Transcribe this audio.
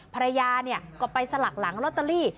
ภรรยาก็ไปสลักหลังลอตเตอรี่